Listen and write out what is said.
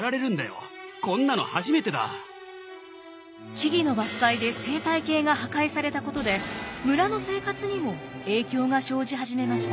木々の伐採で生態系が破壊されたことで村の生活にも影響が生じ始めました。